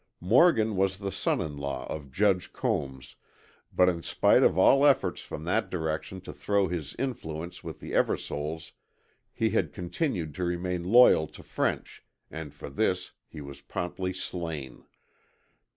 Morgan was the son in law of Judge Combs, but in spite of all efforts from that direction to throw his influence with the Eversoles he had continued to remain loyal to French and for this he was promptly slain.